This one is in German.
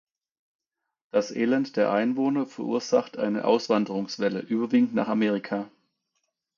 Das Elend der Einwohner verursacht eine Auswanderungswelle, überwiegend nach Amerika.